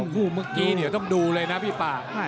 คู่เมื่อกี้เดี๋ยวต้องดูเลยนะพี่ป่า